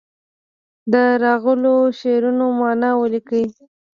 د راغلو شعرونو معنا ولیکي.